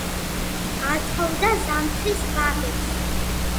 ათოვდა ზამთრის ბაღებს